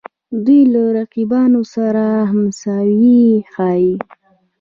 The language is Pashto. دوی له رقیبانو سره همسویه ښييل